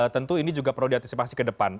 tentu ini juga perlu diantisipasi ke depan